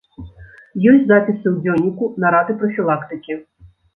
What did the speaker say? Ёсць запісы ў дзённіку, нарады прафілактыкі.